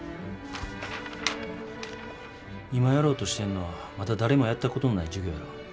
今やろうとしてんのはまだ誰もやったことのない事業やろ。